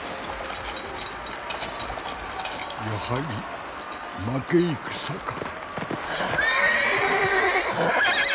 やはり負け戦か。